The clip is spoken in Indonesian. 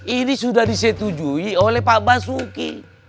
ini sudah disetujui oleh pak basuki